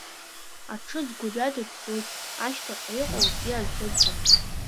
Аҽыз гәырҩада ицоит, ашьҭахьҟа иҟоу акгьы аздырӡом.